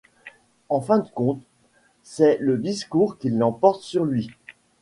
En fin de compte, c'est le discours qui l'emporte sur lui.